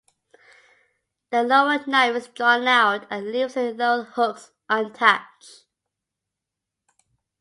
The lower knife is drawn out and leaves the lowered hooks untouched.